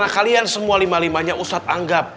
kalian semua lima limanya ustadz anggap